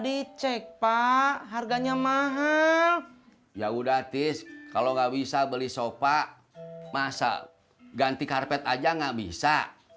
dicek pak harganya mahal ya udah tis kalau nggak bisa beli sofa masak ganti karpet aja nggak bisa